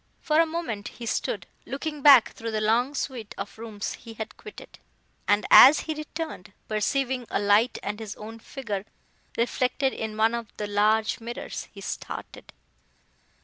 For a moment he stood, looking back through the long suite of rooms he had quitted, and as he turned, perceiving a light and his own figure reflected in one of the large mirrors, he started.